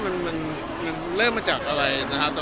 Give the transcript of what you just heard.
มันมันมันต่อกันมาจากอะไรนะคะ